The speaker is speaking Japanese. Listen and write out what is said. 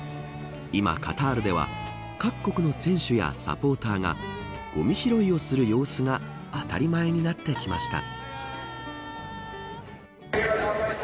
今カタールでは各国の選手やサポーターがごみ拾いをする様子が当たり前になってきました。